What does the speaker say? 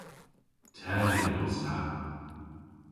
Teg os ta.